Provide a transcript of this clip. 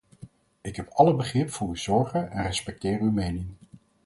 Ik heb alle begrip voor uw zorgen en respecteer uw mening.